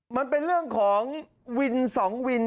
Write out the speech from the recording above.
มันเป็นเรื่องของวิน๒วิน